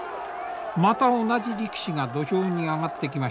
また同じ力士が土俵に上がってきましたね。